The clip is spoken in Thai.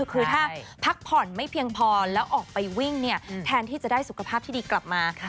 คือถ้าพักผ่อนไม่เพียงพอแล้วออกไปวิ่งเนี่ยแทนที่จะได้สุขภาพที่ดีกลับมา